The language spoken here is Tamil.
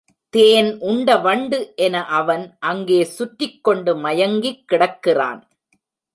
தேன் உண்ட வண்டு என அவன் அங்கே சுற்றிக் கொண்டு மயங்கிக் கிடக்கிறான்.